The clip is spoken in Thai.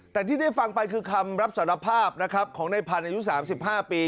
แต่ที่ได้ฟังไปคือคำรับสารภาพนะครับของในพันธุ์อายุ๓๕ปี